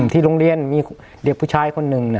ที่โรงเรียนมีเด็กผู้ชายคนหนึ่ง